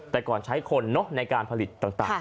แต่ก่อนใช้คนในการผลิตต่าง